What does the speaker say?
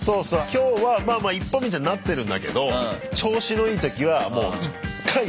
今日はまあまあ一本道にはなってるんだけど調子のいい時はもう１回で。